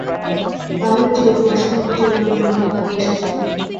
তা হলে চিরকুমার-সভাকে চিরজন্মের মতো কাঁদিয়ে এসেছ?